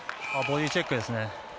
ボディチェックですね。